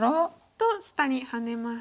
と下にハネます。